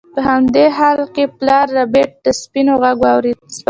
په همدې حال کې پلار ربیټ د سپیو غږ واورید